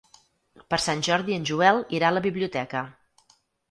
Per Sant Jordi en Joel irà a la biblioteca.